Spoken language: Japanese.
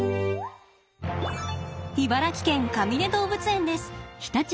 茨城県かみね動物園です。